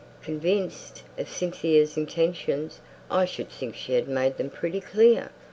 "'Convinced of Cynthia's intentions!' I should think she had made them pretty clear!